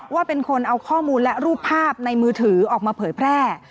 ว่าเป็นคนเอาข้อมูลและรูปภาพในมือถือออกมาเผยแพร่